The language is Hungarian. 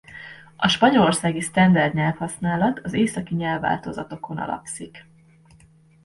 A spanyolországi sztenderd nyelvhasználat az északi nyelvváltozatokon alapszik.